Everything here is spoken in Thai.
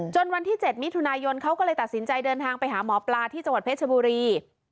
วันที่๗มิถุนายนเขาก็เลยตัดสินใจเดินทางไปหาหมอปลาที่จังหวัดเพชรบุรี